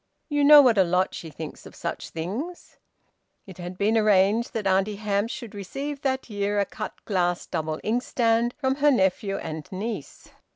You know what a lot she thinks of such things!" It had been arranged that Auntie Hamps should receive that year a cut glass double inkstand from her nephew and niece.